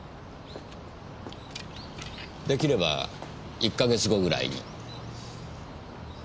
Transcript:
できれば１か月後ぐらいに。